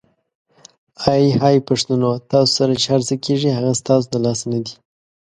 آی های پښتنو ! تاسو سره چې هرڅه کیږي هغه ستاسو د لاسه ندي؟!